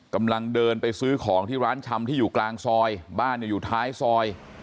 กำลังเดินไปซื้อของที่ร้านชำที่อยู่กลางซอยบ้านอยู่ท้ายซอย